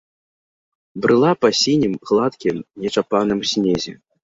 Брыла па сінім гладкім нечапаным снезе.